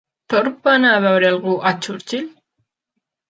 Thorpe va anar a veure algú a Churchill?